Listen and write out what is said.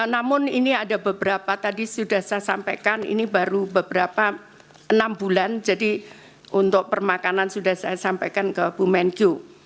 namun ini ada beberapa tadi sudah saya sampaikan ini baru beberapa enam bulan jadi untuk permakanan sudah saya sampaikan ke bu menkyu